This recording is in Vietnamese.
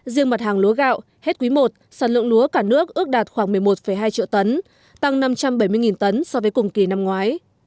riêng mặt hàng lúa gạo hết quý i sản lượng lúa cả nước ước đạt khoảng một mươi một hai triệu tấn tăng năm trăm bảy mươi tấn so với cùng kỳ năm ngoái